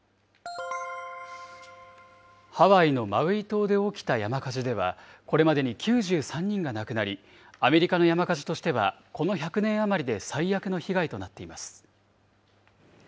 ハワイのマウイ島で起きた山火事ではこれまでに９３人が亡くなり、アメリカの山火事としては、この１００年余りで最悪の被害となっています。